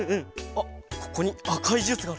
あっここにあかいジュースがある！